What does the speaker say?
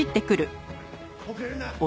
遅れるな。